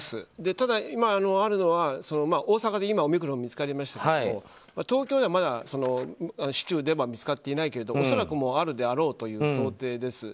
ただ、あるのは大阪で今オミクロンが見つかりましたが東京ではまだ市中では見つかっていないということですが恐らくもうあるだろうという想定です。